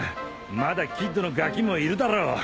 まだキッドのガキもいるだろう！？